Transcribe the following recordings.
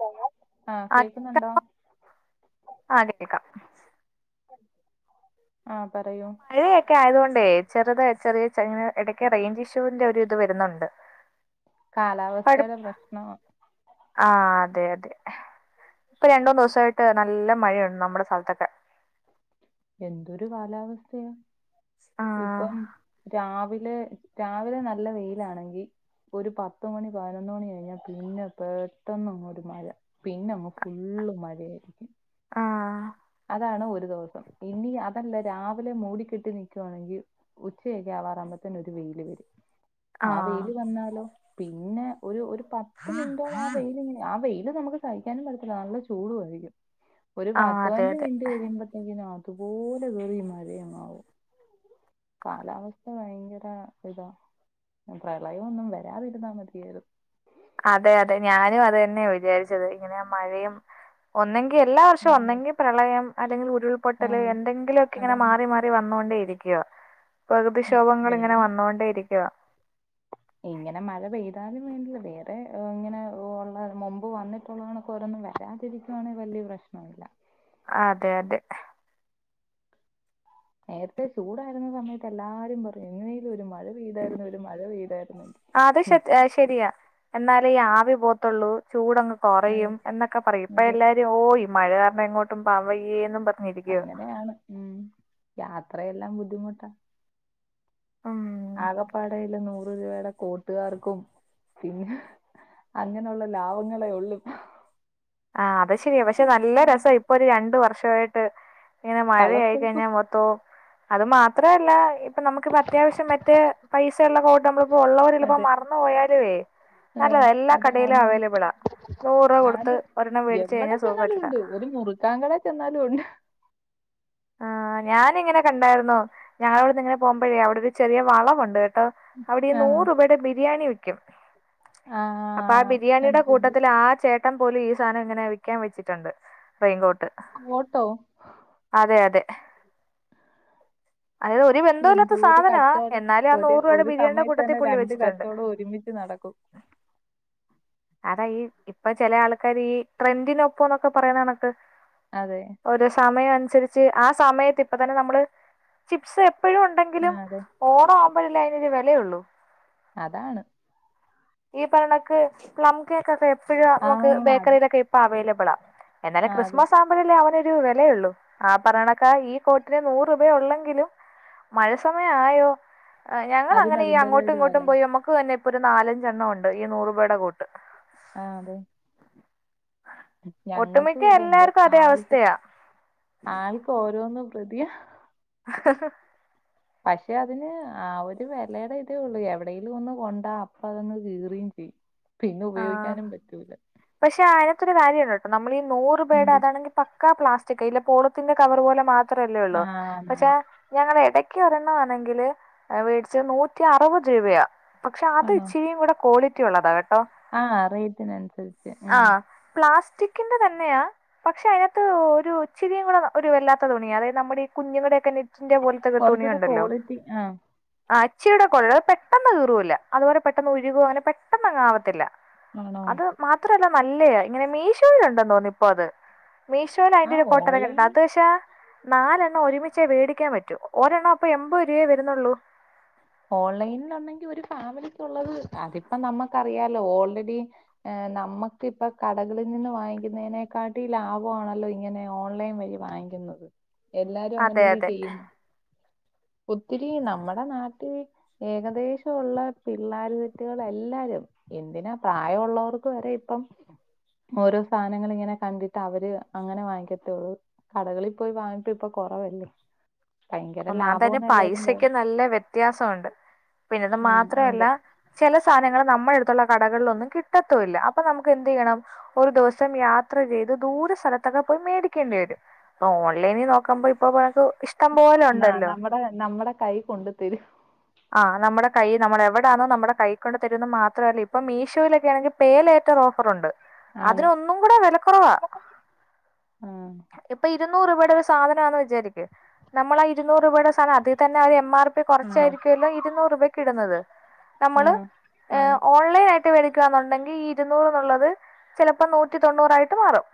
Hello ആ കേക്കുന്നുണ്ടോ? ആ കേൾക്കാം ആ പറയൂ മഴയൊക്കെ ആയതോണ്ടേ ചെറുത ചെറിയ ചെങ്ങ ഇടക്കെ റേഞ്ച് ഇഷ്യുവിന്റെ ഒരു ഇത് വരുന്നുണ്ട് [inaudible] [inaudible] കുഴ കാലാവസ്ഥടെ പ്രശ്നമാ ആ അതെ അതെ ഇപ്പൊ രണ്ടൂന്ന് ദിവസയിട്ട് നല്ല മഴയുണ്ട് നമ്മുടെ സ്ഥലത്തൊക്കെ എന്തൊരു കാലാവസ്ഥയാ ആ ഇപ്പം രാവിലെ രാവിലെ നല്ല വെയിലാണെങ്കി ഒരു പത്ത് മണി പതിനൊന്ന് മണി കഴിഞ്ഞാ പിന്നെ പെട്ടന്ന് ഒരു മഴ പിന്നെ നമ്മ ഫുള്ള് മഴായിരിക്കും ആ അതാണ് ഒരു ദിവസം ഇനി അതല്ല രാവിലെ മൂടി കെട്ടി നിക്കുവാണെങ്കി ഉച്ചയാക്കെ വാറുമ്പോത്തന്നെ ഒരു വെയിയില് വരും ആ വെയില് വന്നാലോ പിന്നെ ഒരു ഒരു പത്ത് മിനിറ്റോളം വെയില് ആ വെയില് നമുക്ക് സഹിക്കാനും പറ്റത്തില്ല നല്ല ചൂടു ആയിരിക്കുംഒരു ആ പത്തു അതെ പതിനഞ്ചു അതെ മിനുട്ട് ഉച്ചരിമ്പത്തേക്കും അതുപോലെ വേറേം മഴയമാവും കാലാവസ്ഥ ഭയങ്കര ഇതാ പ്രളയം ഒന്നും വരാതിരുന്നാ മതിയായിരുന്നു അതെ അതെ ഞാനും അത് തന്നെയാ വിചാരിച്ചത് ഇങ്ങനെ മഴയും ഒന്നെങ്കി എല്ലാ വർഷവും ഉം. ഒന്നെങ്കി പ്രളയം അല്ലെങ്കിൽ ആ ഉരുൾപൊട്ടൽ എന്തെങ്കിലുക്കെ ഇങ്ങനെ അതാണ് മാറി മാറി വന്നൊണ്ടേ ഇരിക്ക പ്രകൃതിക്ഷോഭങ്ങൾ ഇങ്ങനെ വേറെ വന്നൊണ്ടേ ഇരിക്കുക ഇങ്ങനെ മഴ പെയ്താലും വേണ്ടില്ല വേറെ ഇങ്ങനെ ഉള്ള മുമ്പ് വന്നി [unintelligible] ഓരോന്നും വരാതിരിക്കുവാണെങ്കി വലിയ പ്രശ്നവമില്ല അതെ അതെ നേരത്തെ ചൂടായിരുന്ന സമയത്ത് എല്ലാരും പറയും എങ്ങനെലും ഒരു മഴ പെയ്തായിരുന്നു ഒരു മഴ പെയ്തായിരുന്നു ആ അത് ശരിയാ എന്നാലേ ഈ ആവി പോത്തുള്ളൂ ചൂട അങ്ങ് അതെ കുറയും എന്നൊക്കെ പറയും ഇപ്പൊ അതെ എല്ലാരും ഓയി മഴ കാരണം എങ്ങോട്ടും പോവാൻ വയ്യേ ഇ അങ്ങനെയാണ് ഉം യാത്രയെല്ലാം ബുദ്ധിമുട്ടാ ഉം ആകെപ്പാടയിളള നൂറ് രൂപയുടെ കുട്ടുകാർക്കും പിന്നെ അങ്ങനെയുള്ള ലാഭങ്ങളെ ഉള്ളു ആഹ് അത് ശരിയാ പക്ഷെ നല്ല രസ ഇപ്പൊ ഒരു രണ്ട് വർഷവായിട്ട് ഇങ്ങനെ മഴ ആയി കളർഫുൾ കഴിഞ്ഞാൽ മൊ അത് മാത്രവല്ല അപ്പൊ നമുക്കിപ്പം അത്യാവിശ്യം മറ്റേ പൈസയുള്ള കോട്ട് നമ്മളിപ്പോ ഉള്ളവരി ചെലപ്പോ അതെ മറന്നു പോയാലേ ആഹ് നല്ലത എല്ലാ അത് കടയിലും ആന്ന് ആന്ന്. അവൈലബിള നൂറ് കൊടുത്ത് ആന്ന് ഒരെണ്ണം വേടിച്ച് കഴിഞ്ഞാ സുഖായിട്ടിടാ താങ്കളെ ചെന്നാലും ഉണ്ട് ആ ഞാനിങ്ങനെ കണ്ടായിരുന്നു ഞങ്ങളെവിടുന്ന് ഇങ്ങനെ പോകുമ്പോഴേ അവിടെ ഒരു ചെറിയ വളവുണ്ട് കേട്ടോ അവിടെ ആഹ് നൂറ് രൂപയുടെ ബിരിയാണി വക്കും അപ്പൊ ആ ആഹ് ബിരിയാണിയുടെ കണ്ടിട്ടുണ്ട് കൂട്ടത്തിൽ ആ ചേ ട്ടൻ പോലും ഈ സാധനം ഇങ്ങനെ വിക്കാൻ വെച്ചിട്ടുണ്ട് റെയിൻ കോട്ട് കോട്ടോ അതെ അതെ അതായത് ഒരു ബന്ധവും എന്തോ ഇല്ലാത്ത ഒരു സാധനമാ കച്ചവടം എന്നാലും ആ ഒരു നൂറ് രൂപയുടെ ഒരു ബിരിയാണിയുടെ സമയത്ത് കൂട്ടത്തി തന്നെ പുള്ളി രണ്ട് വെച്ചിട്ടുണ്ട് കച്ചവടം ഒരുമിച്ച് നടക്കും അതാ ഈ ഇപ്പൊ ചില ആൾക്കാര് ഈ ട്രെൻഡിനൊപ്പംന്നൊക്കെ പറയ്ന്നണക്ക്. അതെ. ഓരോ സമയം അൻസര്ച്ച് ആ സമയത്ത് ഇപ്പ തന്നെ നമ്മള് ചിപ്സ് എപ്പഴും ആ ഉണ്ടെങ്കിലും അതെ ഓണ ആവുമ്പയല്ലേ അയ്നൊരു വെലയൊള്ളൂ. അതാണ്. ഈ പറിണക്ക് പ്ലം കേകൊക്കെ എപ്പയും ആ നമക്ക് അത് ബേക്കറിയിലൊക്കെ ഇപ്പ അവൈലബ്ളാ. ആ എന്നാലും അതെ ക്രിസ്മസാ [unintelligible] അവനൊരു വെലയുള്ളൂ ആ പറയുന്നതൊക്കെ ഈ കോട്ടിന് നൂറ് രൂപ ഉള്ളെങ്കിലും മഴ സമയ ആയോ അ ഞങ്ങള അതിന് ങ്ങനെ ഈ അതിന്റേതായ അങ്ങോട്ടും ഒരു വില ഇങ്ങോട്ടും പോയി നമ്മ ക്ക് തന്നെ ഇപ്പൊ ഒരു നാലഞ്ചെണ്ണം ഉണ്ട് ഈ നൂറുൂപടെ കോട്ട്. ആഹ് അതെ. ഞങ്ങക്ക് ഒട്ടുമിക്ക ഇവ്ടെണ്ട് എല്ലാർക്കും അതേ ആൽക്ക് അവസ്ഥയാ ആൾക്ക് ഓരോന്നും [unintelligible] ഹ് ഹ് ഹ് പക്ഷേ അതിന് ആ ഒരു വെലേടെ ഇതേ ഒള്ളൂ എവിടെലൊന്ന് കൊണ്ടാ അപ്പാതൊന്ന് കീറീം ചെയ്യും. പിന്നെ ഉപയോഗിക്കാനും പറ്റൂല. പക്ഷേ അയ്നൊക്കൊരു കാര്യണ്ട്ട്ടോ നമ്മള് ഈ നൂറു രൂപേടെ എന്ത് അതാണെങ്കിൽ പക്കാ പ്ലാസ്റ്റിക് ഇല പോളത്തിന്റെ കവറ് പോലെ മാത്രല്ലേ ആ ഒള്ളൂ ആണ്. പക്ഷെ ഞങ്ങള് എടയ്ക്ക് ഒരെണ്ണം ആണെങ്കില് ഏ വേട്ച്ചെ നൂറ്റി അറുപത് രൂപയാ. പക്ഷെ അത് ഇച്ചിരിയും കൂടെ ക്വാളിറ്റി ഉള്ളതാ കേട്ടോ. ആഹ് റേറ്റിന് അൻസരി ആ പ്ലാസ്റ്റിക്കിന്റെ തന്നെയാ പക്ഷെ അയ്നത്ത് ഒരു ഇചിരിയും കൂടെ ഒരു വല്ലാത്ത തുണിയാ അതായത് നമ്മടെ ഈ കുഞ്ഞുങ്ങടെ ഒക്കെ ന ന്റെ പോൽത്തൊക്കെ കുറച്ചുകൂടെ തുണിയുണ്ടല്ലോ ക്വാളിറ്റി ആ ആ അച്ചിയുടെ കൊൾ പെട്ടെന്ന് കീറൂല്ല അതുപോലെ പെട്ടെന്ന് ഉരുകോ അങ്ങനെ പെട്ടെന്ന് അങ്ങാവത്തില്ല. ആണോ അത് മാത്രല്ല നല്ലയാ ഇങ്ങനെ മീശോയിലുണ്ടന്ന്തോന്നി ഇപ്പ അത് മീശോ ആ ഓൺലൈൻ [unintelligible] നാല്ലണ്ണം ഒര്മിച്ചേ വേടിക്കാൻ പറ്റൂ. ഒരെണ്ണം അപ്പൊ എൺപത് രൂ വയെ വരുന്നൊള്ളൂ. ഓൺലൈൻ ഒന്നെങ്കി ഒരു ഫാമിലികുള്ളത് അതിപ്പ നമ്മക്കറിയാലോ ഓൾറെഡി ഏ നമ്മകിപ്പം കടകളിൽ നിന്ന് വാങ്ങിക്കുന്നതിനേക്കാട്ടി ലാഭമാണല്ലോ ഇങ്ങനെ ഓൺലൈൻ വഴി വാങ്ങി ക്ക്ന്നത് എല്ലാരും അതെ അങ്ങനല്ലേ അതെ ചെയ്യ്ന്നേ ഒത്തിരി നമ്മടെ നാട്ടി ഈ ഏകദേശം ഉള്ള പിള്ളാര് ബിറ്റുകൾ എല്ലാരും എന്തിനാ പ്രായം ഉള്ളോർക്ക് വരെ ഇപ്പം ഓരോ സാനങ്ങള് ഇങ്ങനെ കണ്ടിട്ട് അവര് അങ്ങനെ വാങ്ങിക്കത്തൊള്ളൂ. കടകളിൽ പോയി വാങ്ങിട്ട് ഇപ്പൊ കൊറവല്ലോ ഭയങ്കര ഒന്നാമത് തന്നെ ലാഭോന്ന് എല്ലാരും പൈസയ്ക്ക് പറയും. നല്ല വ്യത്യാസൊണ്ട് പിന്നത് ഉം മാത്രല്ല ഉണ്ട് ചെല സാനങ്ങള് നമ്മൾട്ത്തുള്ള കടകൾളൊന്നും കിട്ടത്തൂല്ല അപ്പൊ നമുക്ക് എന്തെയ്യണം? ഒരു ദിവസം യാത്ര ചെയ്ത് ദൂരെ സ്ഥലത്തൊക്കെ പോയി മേടിക്കേണ്ടി വരും. ഓൺലൈനിൽ നോക്കുമ്പ ഇപ്പോ [unintelligible] ഇഷ്ടം പോലെ ന്ന ഉണ്ടല്ലോ നമ്മടെ നമ്മുടെ കൈ കൊണ്ട് തരും. ആഹ്‌ നമ്മടെ കൈ നമ്മളെവിടാന്നോ നമ്മടെ കൈ കൊണ്ട് തരുന്നോ മാത്രല്ല ഇപ്പ മീഷോയിലൊക്കെ ആണെങ്കി പേലേറ്റ ഓഫറുണ്ട് ആന്ന് അതിനൊന്നും കൂടെ വെലക്കുറവാ ആ ഇപ്പൊ ഇരുന്നൂറ് രൂപയുടെ ഒരു സാധനമാന്ന് വിചാരിക്ക് നമ്മൾ ആ ഇരുന്നൂറ് രൂപയുടെ സാനം അതിൽ തന്നെ ആ ഒരു എം ആർ ആണോ കൊർച്ചായിരിക്കല്ലോ ഇരുന്നൂറ് രൂപ കിടുന്നത് ആ നമ്മള് ഏ ആന്ന് ഓൺലൈൻ ആയി ട്ട്‌ വേടികാന്ന്ണ്ടെങ്കി ഈ ഇരുന്നൂറു ള്ളത് ചിലപ്പം നൂറ്റി തൊണ്ണൂറായിട്ട് മാറും.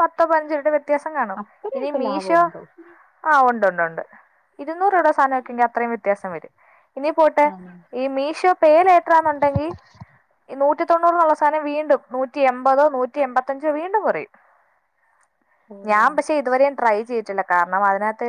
പത്തോ പയ്ൻഞ്ചോപേടെ വ്യത്യാസം കാണും ഇനി അത്രയൊക്കെ മീഷോ ലാഭമുണ്ടോ ആഹ് ഉണ്ട് ഉണ്ട് ഉണ്ട് ഇരുന്നൂറ് രൂപയുടെ സാനംക്കെങ്കെ അത്രയും വ്യത്യാസം വരും. ഇനി പോട്ടെ ആണോ ഈ മീഷോ പേലെ ത്രാന്നുണ്ടെങ്കി ഈ നൂറ്റി തൊണ്ണൂറ് നുള്ള സാനം വീണ്ടും നൂറ്റി എമ്പതോ, നൂറ്റി എൺമ്പത്തഞ്ചോ, വീണ്ടും കുറയും. ഓ ഞാൻ പക്ഷെ ഇതുവരെ ട്രൈ ചെയ്ട്ടില്ല. കാരണം അയ്നത്ത്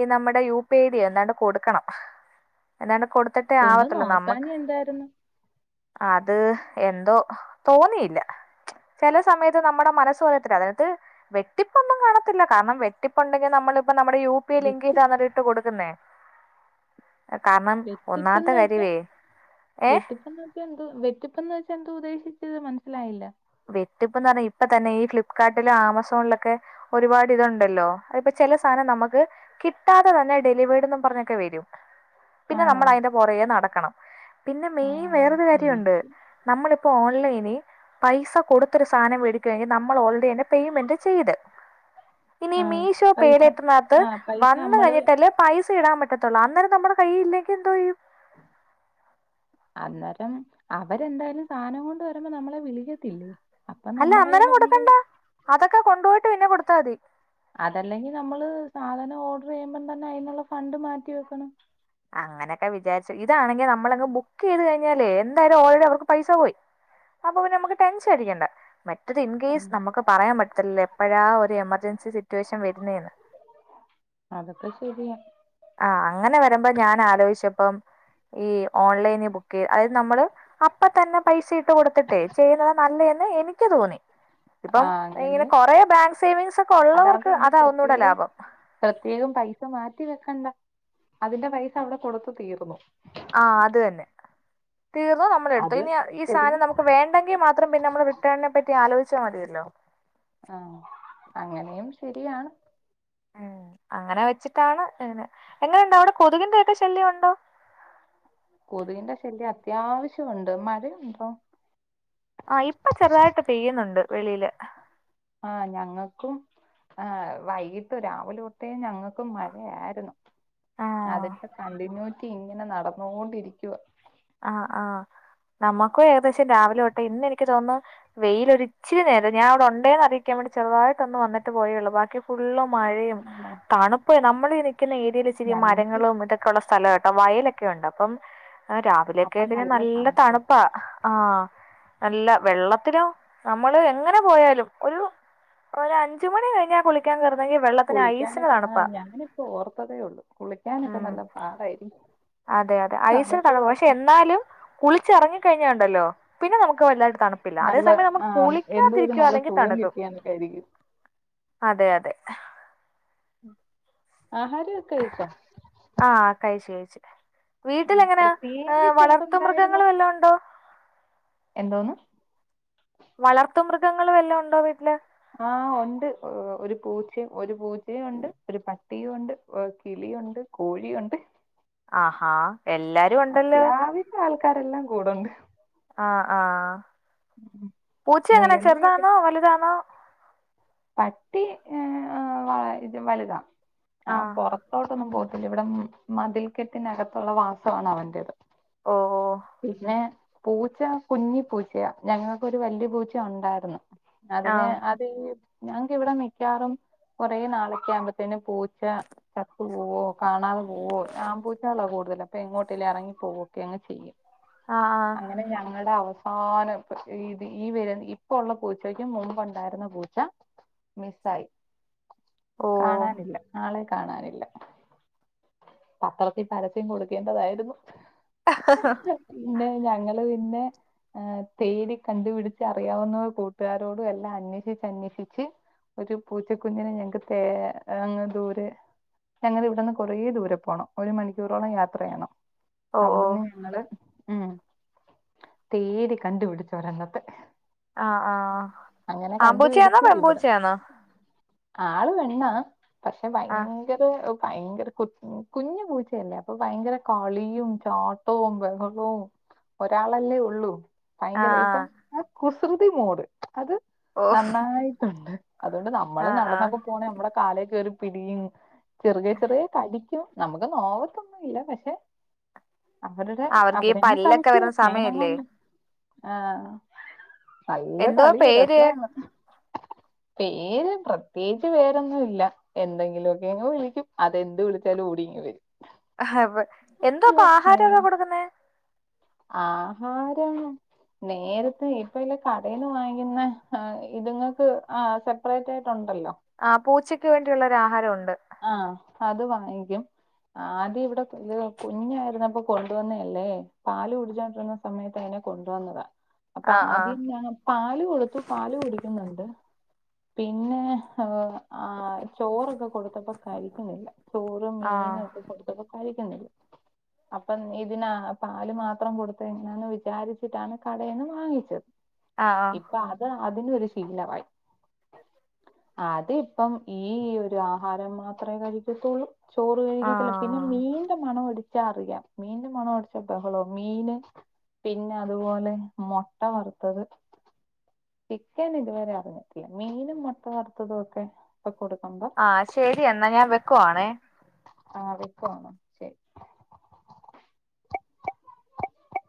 ഈ നമ്മുടെ യു പി ഐഡി എന്താണ്ട് കൊടുക്കണം. എന്താണ് കൊടുത്തിട്ടേ ഒന്ന് ആവത്തുള്ളൂ നോക്കാൻ നമ്മക്ക് എന്തായിരുന്നു അത് എന്തോ തോന്നിയില്ല. ചല സമയത്ത് നമ്മുടെ മനസ്സ് പറയത്ത അതത്ത്. വെട്ടിപ്പൊന്നും കാണത്തില്ല കാരണം വെട്ടിപ്പുടകി നമ്മളിപ്പം നമ്മുടെ യു പി ലിങ്ക് വെട്ടി ന്നറിയിട്ട് കൊടുക്കുന്നേ. കാരണം. ഒന്നാമത്തെ വെട്ടിപ്പ്ന്ന്ച കാര്യമേ ഏ വെട്ടിപ്പന്ന വെറ്റിപ്പന്ന് വെച്ച എന്തതു ഉദ്ദേശിച്ചത് മനസ്സിലായില്ല. വിറ്റ്‌പ്പ്ന്നർഞ്ഞ ഇപ്പ തന്നെ ഈ ഫ്ലിപ്കാർടിലും ആമസോണി ലൊക്കെ ഒരുപാട് ഇതുണ്ടല്ലോ അ ഇപ്പോ ചില സാധനം നമുക്ക് കിട്ടാതെ ഡെലിവേഡ്ന്നും പറഞ്ഞൊക്കെ വരും. പിന്നെ ആണോ നമ്മൾ അതിന്റെ പുറകെ നടക്കണം. പിന്നെ മെയൻ ആഹ് വേറൊരു കാര്യണ്ട്. എനിക്ക് നമ്മളിപ്പോ ഓൺലൈന് പൈസ കൊടുത്തൊരു സാധനം വോടി കഴിഞ്ഞ നമ്മൾ ഓൾറെഡിെ പേയ്മെന്റ് ചെയ്ത്. ഇനി ആഹ് മീഷോ പൈസ പേരേറ്റനകത്ത് ആഹ് പൈസ വന്ന് നമ്മള് കഴിഞ്ഞിട്ടല്ലേ. പൈസ ഇടാൻ പറ്റത്തുളു അന്നേരം നമ്മളള കയ്യില്ലെങ്കിൽ എന്തോ യും. അന്നേരം അവരെന്തായാലും സാധനം കൊണ്ട് വരുമ്പോ. നമ്മളെ വിളിക്കത്തില്ലേ? അപ്പൊ അല്ല നമ്മടെ കയ്യിൽ അനോരം ഉണ്ടെ കൊടുക്കണ്ട അതൊക്കെ കൊണ്ടുപോയിട്ട്. പിന്നെ കൊടുത്താ മതി. അതല്ലെങ്കി നമ്മള് സാധനം ഓർഡർ ചെയ്യുമ്പം തന്നെ അതിനുള്ള ഫണ്ട് മാറ്റി വെക്കണം. അങ്ങനെയൊക്കെ വിചാരിച്ച ഇതാണെങ്കി നമ്മളെങ് ബുക്ക് ചെയ്ത് കഴിഞ്ഞാ എന്തായാലും ഓൾറെഡി അവർക്ക് പൈസ പോയി. അപ്പൊ നമുക്ക് ടെൻഷൻ ആടിക്കണ്ട. മ മറ്റത് ഇൻ കേസ് ആഹ് നമുക്ക് പറയാൻ പറ്റത്തില്ലോ എപ്പോഴാ ഒരു എമർജൻസി സിറ്റുവേഷൻ വരുന്നെന്ന്. അതൊക്കെ ശരിയ. ആഹ് അങ്ങനെ വരുമ്പോ ഞാൻ ആലോചിച്ചപ്പം ഈ ഓൺലൈനി ബുക്ക് അതായത് നമ്മള്. അപ്പ തന്നെ പൈസ ഇട്ട് കൊടുത്തിട്ടേ ചെയ്യുന്നത്. നല്ല എന്ന് എനിക്ക് തോന്നി. ഇപ്പം ആഹ് ഇങ്ങനെ അങ്ങനെ കൊറ ബാങ്ക് സേവിങ്സ് ഒക്കെ അതാവുമ്പോ ഉള്ളവർക്ക്. ഇനി അതാ ഒന്നുകൂടെ പ്രത്യേകം ലാഭം. പ്രത്യേകം പൈസ മാറ്റി വെക്കണ്ട അതിന്റെ പൈസ അവിടെ കൊടുത്തു തീർന്നു ആഹ് അത് തന്നെ തീർന്നു നമ്മളെ എടുത്തു അത് ഇനി ഈ ശരിയാ സാധനം നമുക്ക് വേണ്ടെങ്കിൽ മാത്ര മാത്രം പിന്ന നമ്മൾ റിട്ടേണിനെ പറ്റി ആലോചിച്ചാൽ മതിയല്ലോ ആഹ് അങ്ങനെയും ശരിയാണ് ഉമ് അങ്ങനെ വെച്ചിട്ടാണ് തരുന്നേ എങ്ങനെയുണ്ട് അവിടെ കൊതുകിന്റെ ഒക്കെ ശല്യണ്ടോ കൊതുകിന്റെ ശല്യം അത്യാവശ്യണ്ട് മഴയുണ്ടോ ആഹ് ഇപ്പൊ ചെറുതായിട്ട് പെയ്യുന്നുണ്ട് വെളിയില് ആഹ് ഞങ്ങൾക്കും ആഹ് വൈകിട്ട് രാവിലെ തൊട്ടേ ഞങ്ങക്കും മഴയായിരുന്നു ആഹ് അതിന്റെ കണ്ടിന്യൂറ്റി ഇങ്ങനെ നടന്നു കൊണ്ടിരിക്കുവാ ആഹ് ആഹ് നമ്മക്കും ഏകദേശം രാവിലെ തൊട്ടെ ഇന്ന് എനിക്ക് തോന്നുന്നു വെയിൽ ഒരിച്ചിരി നേരം ഞാൻ അവിടെ ഉണ്ടേന്ന് അറിയിക്കാൻ വേണ്ടി ചെറുതായിട്ട് ഒന്ന് വന്നിട്ട് പോയേ ഉള്ളൂ ബാക്കി ഫുള്ള് മഴയും ആണോ തണുപ്പ് നമ്മൾ നിൽക്കുന്ന ഏരിയയിൽ ഇച്ചിരി ഞങ്ങൾക്ക് മരങ്ങളും ഇതൊ യൊക്കെ ഉള്ള സ്ഥലമാ കേട്ടോ വയലൊക്കെ ഉണ്ട് അപ്പം അപ്പൊ രാവിലെയൊക്കെ നല്ല തണുപ്പും തണുപ്പാ ആഹ് നല്ല വെള്ളത്തിനോ നമ്മള് എങ്ങനെ പോയാലും ഒരു ഒര് അഞ്ച് മണി കഴിഞ്ഞാൽ കുളിക്ക ക്കാൻ പറഞ്ഞി കഴിഞ്ഞാൽ വെള്ള കുളിക്കാനൊക്കെ ആഹ് ഞാനിപ്പോ ഓർത്തതേയുള്ളൂ കുളിക്കാനൊക്കെ നല്ല ഉം പാടായിരിക്കും അതെ അതെ ഐസ് [unintelligible] തണുപ്പ് തടും പക്ഷെ എന്നാലും കുളിച്ചറങ്ങിക്കഴിഞ്ഞാലുണ്ടല്ലോ പിന്നെ നമുക്ക് വല്ലാ തണുപ്പില്ല അതേ നല്ല സമയം നമ്മൾ ആ എന്തോ ഒരു നല്ല കുളിക്കാതിരിക്കവാന്നെങ്കി സുഖം തണുക്കും കിട്ടിയാന്നൊക്കെ ആയിരിക്കും അതെ അതെ ആഹാരമൊക്കെ കഴിച്ചോ ആഹ് കഴിച്ചു കഴിച്ചു ആഹ് വീട്ടിലെങ്ങനെ ഏഹ്, പ്രത്യേകിച്ച് വളർത്തുമൃഗങ്ങൾ എന്തുണ്ടായിരുന്നു വല്ലതും ഉണ്ടോ എന്തോന്ന് വളർത്തു മൃഗങ്ങൾ വല്ലോം ഉണ്ടോ വീട്ടില് ആഹ് ഉണ്ട് ഒരു പൂച്ചയും ഒരു പൂച്ചയും ഉണ്ട് ഒരു പട്ടിയും ഉണ്ട് കിളിയുണ്ട് കോഴി ഉണ്ട് ആഹ എല്ലാ അത്യാവിശം ആൾക്കാരെല്ലാം കൂടുണ്ട് ആഹ് ആഹ് പൂച്ച എങ്ങനെ മുയലിനെയൊക്കെ ചെറുതാന്നോ വലുതാന്നോ പട്ടി ഇത് വലുതാ ആ ആഹ് പുറത്ത് പുറത്തോട്ടൊന്നും പോത്തില്ല ഇവിടെ മതിൽ കെട്ടിനകത്തുള്ള വാസമാണ് അവന്റേത് ഓ ഓ പിന്നെ പൂച്ച കുഞ്ഞി പൂച്ചയാ ഞങ്ങൾക്കൊരു വല്ല്യപൂച്ച ഉണ്ടായിരുന്നു ആ അതിന് അതീ ഞങ്ങക്ക് ഇവിടെ മിക്കാറും കൊറേ നാളൊക്കെ ആവുമ്പോത്തേനും പൂച്ച ചത്ത് പൂവോ കാണാതെ പോവോ ആൺ മ്പൂച്ചകളാ കൂടുതലും അപ്പൊ എങ്ങോട്ടങ്കിലും ഇറങ്ങി പോകോ ഒക്കെയങ്ങ് ചെയ്യും ആ ആ അങ്ങനെ ഞങ്ങളുടെ അവസ്ഥ ആഹ് ഈ വര ഇപ്പം ഉള്ള പൂച്ചയ്ക്കും മുമ്പ് ഉണ്ടായിരുന്ന പൂച്ച മിസ്സായി ഓ കാണാനില്ല ആളെ കാണാനില്ല പത്രത്തിൽ പരസ്യം കൊടുക്കേണ്ടതായിരുന്നു ആഹ്ഹ പിന്നെ ഞങ്ങള് പിന്നെ ആഹ് തേടി കണ്ടുപിടിച്ച് അറിയാവുന്ന കൂട്ടുകാരോടും എല്ലാം അന്വേഷിച്ച് അന്വേഷിച്ച് ച്ച് ഒരു പൂച്ചക്കുഞ്ഞിനെ ഞങ്ങക്ക് തേ അങ്ങ് ദൂരെ ഞങ്ങടെ ഇവിടുന്ന് കുറേ ദൂരെ പോകണം ഒരു മണിക്കൂറോളം യാത്ര ചെയ്യണം ഓ ഓ അവിടന്ന് ഞങ്ങള് ഉം തേടി കണ്ടുപിടിച്ച ഒരെണ്ണത്തെ ആഹ് ആഹ് അങ്ങനെ ആമ്പൂച്ചയാന്നോ കണ്ടുപിടിച്ച് ഇവിടെ പെമ്പൂച്ചയാന്നോ ആള് പെണ്ണാ പക്ഷെ ഭയ ആ ഭയങ്കര ഭയങ്കര കുഞ്ഞു പൂച്ചയല്ലേ അപ്പൊ ഭയങ്കര കളിയും ചാ ട്ടവും ബെഹളവും ഒരാളല്ലേ ഉള്ളൂ ആ അയിന്റെ ആ വലിപ്പം ആഹ് കുസൃതി മോഡ് അത് ഓ നന്നായിട്ടുണ്ട് അതുകൊണ്ട് നമ്മള് ആ ആ നടന്നൊക്കെ പോണെ നമ്മടെ കാലെ കേറി പിടിയും ചെറിയെ ചെറിയെ കടിക്കും നമ്മക്ക് നോവത്തൊന്നും ഇല്ല പക്ഷെ അവരുടെ അവർക്ക് ഈ അവരെന്നെ പല്ലൊക്കെ കളിക്കോ വരുന്ന സ്നേഹം സമയല്ലേ കൊണ്ട് ആഹ് നല്ല എന്തോ പേര് കളിരസാണ് പേര് പ്രത്യേകിച്ച് പേരൊന്നു ല്ല എന്തെങ്കിലു ഒക്കെങ്ങ് വിളിക്കും അതെന്ത് വിളിച്ചാലും ഓടി ഇങ് വരും അഹ് എന്താപ്പൊ ഉം. ആഹാരൊക്കെ കൊടുക്കുന്നെ ആഹാരം നേരത്തെ ഇപ്പ എല്ല കടന്നേ വാങ്ങിക്കുന്ന ആഹ് ഇതുങ്ങൾക്ക് ആഹ് സെപ്പറേറ്റ് ആയിട്ടുണ്ടല്ലോ ആഹ് പൂച്ചയ്ക്ക് വേണ്ടിയുള്ളൊരു ആഹാരം ഉണ്ട് ആഹ് അത് വാങ്ങിക്കും ആദ്യം ഇവിടെ ഇത് കുഞ്ഞായിരുന്നപ്പോ കൊണ്ടുവന്നഅല്ലേ പാല് കുടിച്ചോണ്ടിരുന്ന സമയത്ത് അതിനെ കൊണ്ട് വന്നതാ അപ്പൊ ആ ആ ആദ്യം ഞാൻ പാല് കൊടുത്തു പാല് കുടിക്കുന്നുണ്ട് പിന്നെഅ വോ ആഹ് ചോറൊക്കെ കൊടുത്തപ്പോ കഴി ക്കുന്നില്ല ചോറ് ആ മീന് ഒക്കെ കൊടുത്തപ്പോ കഴിക്കുന്നില്ല അപ്പം ഇതിന പാല് മാത്രം കൊടുത്തയ് ഞാന്ന് വിചാരിച്ചിട്ടാണ് കടേന്ന് വാങ്ങിച്ചത് ആഹ് ആഹ് ഇപ്പ അത് അതിനോരു ശീലമായി അതി ഇപ്പം ഈ ഒരു ആഹാരം മാത്രമേ കഴിക്കത്തുള്ളൂ ചോറ് ആ കഴിക്കത്തില്ല പിന്നെ മീന്റെ മണോ അടിച്ചാ അറിയാം മീന്റെ മണോ അടി ബഹളോ മീന് പിന്നെ അതുപോലെ മോട്ട വറുത്തത് ചിക്കൻനിണ്ടവേറെ അത് പറ്റില്ല മീനും മോട്ട വറുത്തതും ഒക്കെ ഇപ്പ കൊടുക്കുമ്പോ ആ ശരി എന്നാ ഞാൻ വെക്കുവാണേ ആഹ് വെക്കുആണോ?